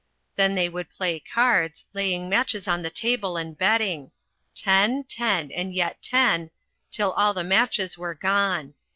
Then they would play cards, laying matches on the table and betting, "Ten, ten, and yet ten," till all the matches were gone.